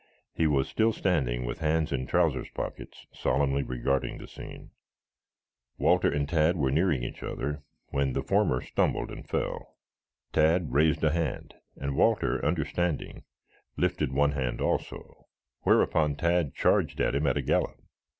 He was still standing with hands in trousers pockets solemnly regarding the scene. Walter and Tad were nearing each other, when the former stumbled and fell. Tad raised a hand and Walter, understanding, lifted one hand also, whereupon Tad charged him at a gallop.